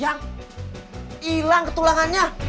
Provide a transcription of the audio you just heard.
yang ilang ketulangannya